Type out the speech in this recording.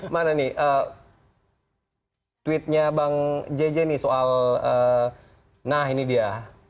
mana nih tweetnya bang jj nih soal nah ini dia